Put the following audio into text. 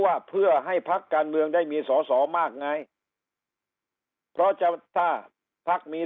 ว่าเพื่อให้พักการเมืองได้มีสอสอมากไงเพราะจะถ้าพักมี